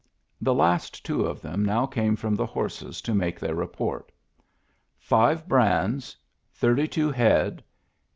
The last two of them now came from the horses to make their report: "Five brands. Thirty two head.